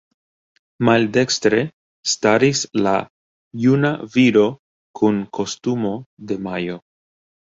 Maldekstre staris la "Juna Viro kun kostumo de majo".